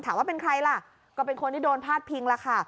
ว่าเป็นใครล่ะก็เป็นคนที่โดนพาดพิงล่ะค่ะ